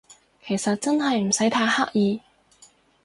其實真係唔使太刻意